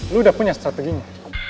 lo udah punya strateginya